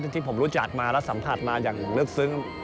ที่ผมรู้จักมาและสัมผัสมาอย่างลึกซึ้ง